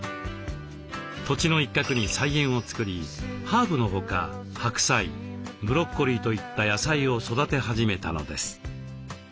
土地の一角に菜園を作りハーブのほか白菜ブロッコリーといった野菜を育て始めたのです。